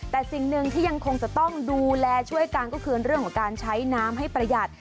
แต่สิ่งหนึ่งที่ยังคงจะต้องดูแลช่วยกันก็คือเรื่องของการใช้น้ำให้ประหยัด